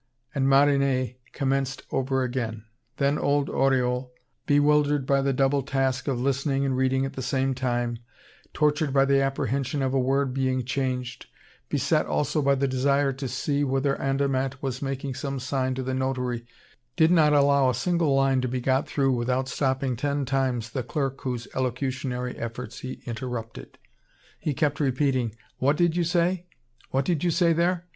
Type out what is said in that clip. And Marinet commenced over again. Then old Oriol, bewildered by the double task of listening and reading at the same time, tortured by the apprehension of a word being changed, beset also by the desire to see whether Andermatt was making some sign to the notary, did not allow a single line to be got through without stopping ten times the clerk whose elocutionary efforts he interrupted. He kept repeating: "What did you say? What did you say there?